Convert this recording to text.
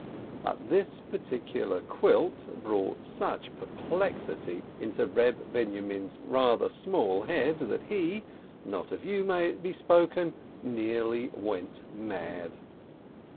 But this particular quilt brought such perplexity into Reb Binyomin's rather small head that he (not of you be it spoken!) nearly went mad.